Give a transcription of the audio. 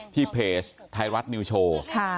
เพจไทยรัฐนิวโชว์